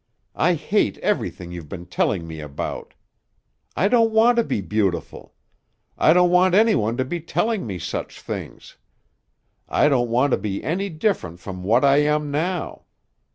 I hate everything you've been telling me about. I don't want to be beautiful. I don't want any one to be telling me such things. I don't want to be any different from what I am now.